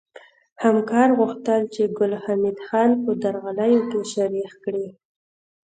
همکار غوښتل چې ګل حمید خان په درغلیو کې شریک کړي